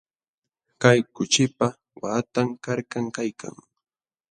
Kay kuchipa waqtan karkam kaykan.